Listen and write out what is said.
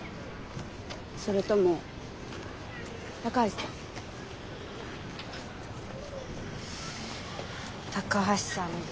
それとも高橋さん？